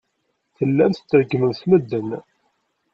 Tellamt treggmemt medden.